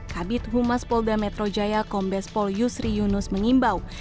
kabit humas polda metro jaya kombes poliusri yunus mengimbau